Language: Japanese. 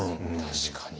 確かに。